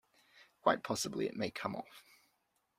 Quite possibly it may come off.